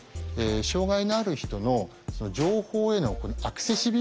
障害のある人の情報へのアクセシビリティ。